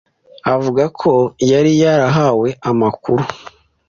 avuga ko yari yarahawe amakuru